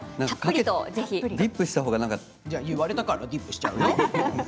言われたからディップしちゃうよ。